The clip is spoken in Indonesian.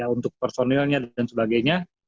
untuk personilnya dan sebagainya